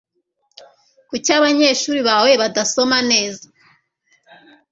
Kuki abanyeshuri bawe badasoma neza?